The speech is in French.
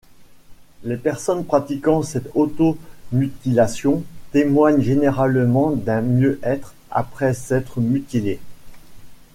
Les personnes pratiquant cette automutilation témoignent généralement d'un mieux-être après s'être mutilées.